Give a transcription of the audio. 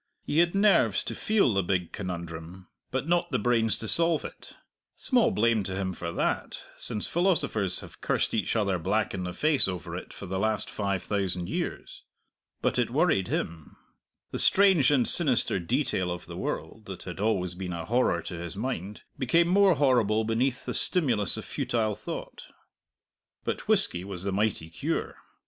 He had nerves to feel the Big Conundrum, but not the brains to solve it; small blame to him for that, since philosophers have cursed each other black in the face over it for the last five thousand years. But it worried him. The strange and sinister detail of the world, that had always been a horror to his mind, became more horrible beneath the stimulus of futile thought. But whisky was the mighty cure.